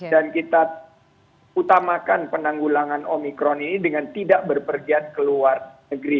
dan kita utamakan penanggulangan omikron ini dengan tidak berpergian ke luar negeri